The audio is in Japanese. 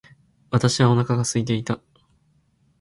私はお腹が空いていた。